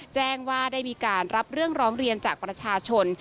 แจ้งว่าได้มีการรับเรื่องร้องเรียนจากประชาชน